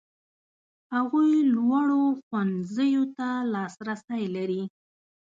هغوی لوړو ښوونځیو ته لاسرسی لري.